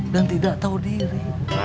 dan tidak tau diri